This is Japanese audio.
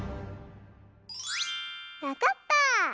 わかった！